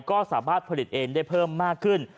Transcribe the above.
ก็สามารถผลิตเองได้เพิ่มมากขึ้น